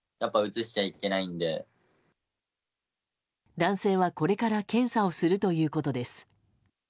男性は、これから検査をするということです。